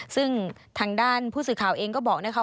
ซึ่งทางด้านผู้สื่อข่าวเองก็บอกนะคะ